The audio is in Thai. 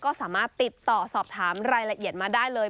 ก็สามารถติดต่อสอบถามรายละเอียดมาได้เลย